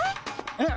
えっ？